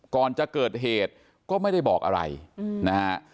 ก่อนจะเกิดเหตุก็ไม่ได้บอกอะไรนะฮะ